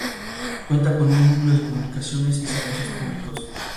Las fuentes on más años indican la antigüedad de la canción.